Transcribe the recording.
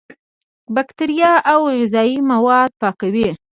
بکتریا او غذایي مواد پاکوي.